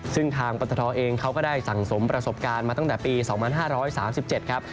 ซึ่งทางปตทเองเขาก็ได้สั่งสมประสบการณ์มาตั้งแต่ปี๒๕๓๗ครับ